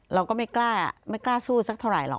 เราก็ไม่กล้าไม่กล้าสู้สักเท่าไหรหรอก